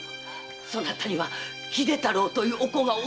そなたには秀太郎というお子がおられる。